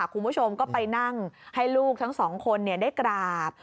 คุณผู้ชมก็ไปนั่งให้ลูกทั้งสองคนได้กราบ